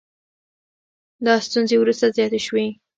دا ستونزې وروسته زیاتې شوې